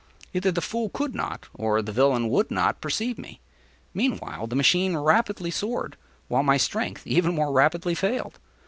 Either the fool could not, or the villain would not perceive me. Meantime the machine rapidly soared, while my strength even more rapidly failed.